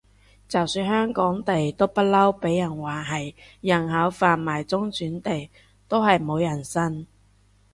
就算香港地都不嬲畀人話係人口販賣中轉地，都係冇人信